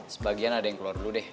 sebagian ada yang keluar dulu deh